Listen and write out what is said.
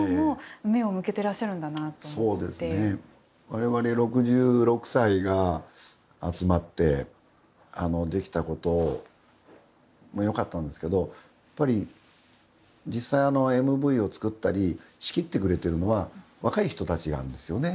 われわれ６６歳が集まってできたこともよかったんですけどやっぱり実際、ＭＶを作ったり仕切ってくれてるのは若い人たちなんですよね。